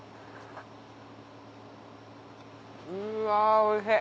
うわおいしい！